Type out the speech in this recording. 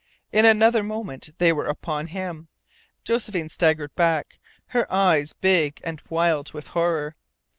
In another moment they were upon him. Josephine staggered back, her eyes big and wild with horror.